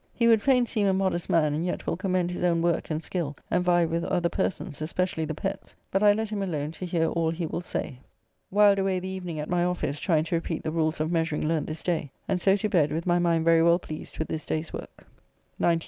He would fain seem a modest man, and yet will commend his own work and skill, and vie with other persons, especially the Petts, but I let him alone to hear all he will say. Whiled away the evening at my office trying to repeat the rules of measuring learnt this day, and so to bed with my mind very well pleased with this day's work. 19th.